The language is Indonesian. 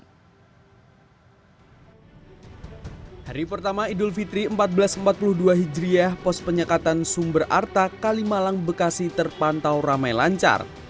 hari pertama idul fitri seribu empat ratus empat puluh dua hijriah pos penyekatan sumber arta kalimalang bekasi terpantau ramai lancar